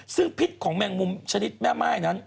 ซึ่งพิษของแมงมุมชนิดแม่ไหม้